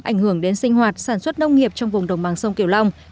ảnh hưởng đến sinh hoạt sản xuất nông nghiệp trong vùng đồng bằng sông kiều long